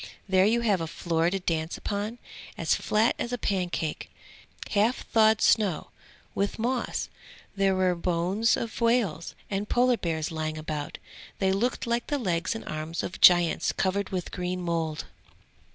There you have a floor to dance upon, as flat as a pancake, half thawed snow, with moss. There were bones of whales and Polar bears lying about; they looked like the legs and arms of giants covered with green mould.